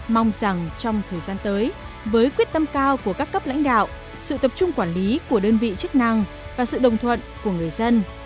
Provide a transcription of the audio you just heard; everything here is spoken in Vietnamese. mong rằng trong thời gian tới với quyết tâm cao của các cấp lãnh đạo sự tập trung quản lý của đơn vị chức năng và sự đồng thuận của người dân